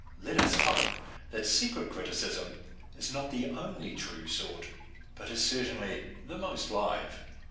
Let us hope that secret criticism is not the only true sort, but it is certainly the most live.